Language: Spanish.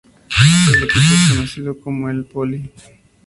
El equipo es conocido como el "Poly".